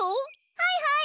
はいはい！